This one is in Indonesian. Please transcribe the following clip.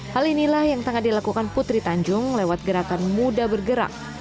hal inilah yang tengah dilakukan putri tanjung lewat gerakan muda bergerak